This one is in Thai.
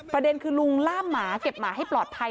ประเด็นคือลุงล่ามหมาเก็บหมาให้ปลอดภัย